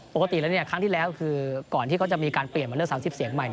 ปกติแล้วครั้งที่แล้วคือก่อนที่เขาจะมีการเปลี่ยนมาเลือก๓๐เสียงใหม่